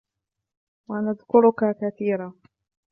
وَنَذْكُرَكَ كَثِيرًا